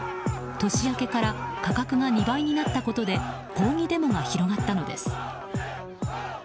年明けから価格が２倍になったことで抗議デモが広がったのです。